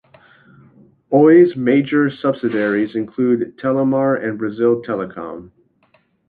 Oi's major subsidiaries include Telemar and Brazil Telecom.